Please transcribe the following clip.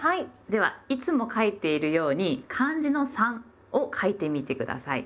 ではいつも書いているように漢字の「三」を書いてみて下さい。